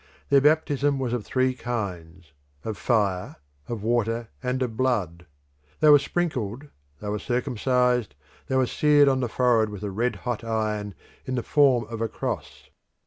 Their baptism was of three kinds of fire, of water, and of blood: they were sprinkled, they were circumcised, they were seared on the forehead with a red hot iron in the form of a cross.